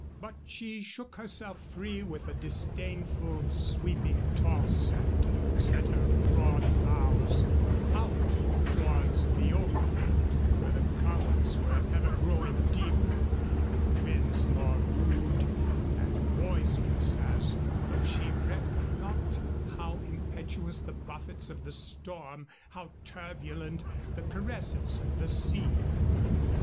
But she shook herself free with a disdainful, sweeping toss and set her broad bows out towards the open, where the colors were ever growing deeper and the winds more rude and boisterous, as though she recked not how impetuous the buffets of the storm, how turbulent the caresses of the sea.